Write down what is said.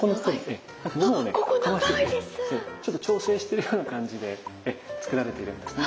ちょっと調整してるような感じでつくられているんですね。